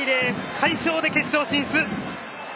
快勝で決勝進出！